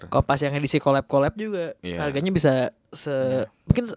kompas yang edisi collab collab juga harganya bisa se